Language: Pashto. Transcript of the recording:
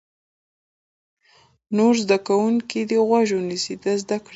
نور زده کوونکي دې غوږ ونیسي د زده کړې لپاره.